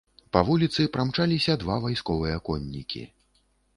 Па вуліцы прамчаліся два вайсковыя коннікі.